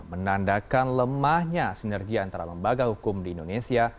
menandakan lemahnya sinergi antara lembaga hukum di indonesia